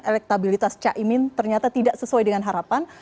elektabilitas caimin ternyata tidak sesuai dengan harapan